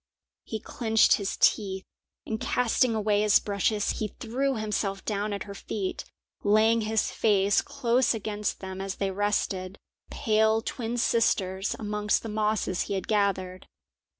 He clenched his teeth, and, casting away his brushes, he threw himself down at her feet, laying his face close against them as they rested, pale twin sisters, amongst the mosses he had gathered.